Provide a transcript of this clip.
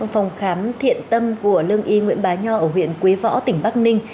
phòng khám thiện tâm của lương y nguyễn bá nho ở huyện quế võ tỉnh bắc ninh